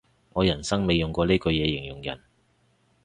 我人生未用過呢句嘢形容人